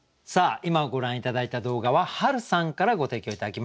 今ご覧頂いた動画はＨａｒｕさんからご提供頂きました。